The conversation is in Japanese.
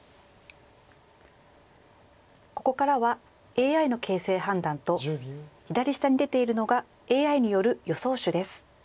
ここからはＡＩの形勢判断と左下に出ているのがＡＩによる予想手です。